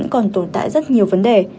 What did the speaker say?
còn tồn tại rất nhiều vấn đề